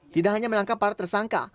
tidak hanya menangkap para tersangka